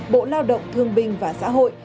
bộ lao động thương binh và xã hội